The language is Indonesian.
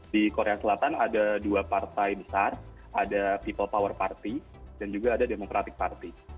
di korea selatan ada dua partai besar ada people power party dan juga ada democratic party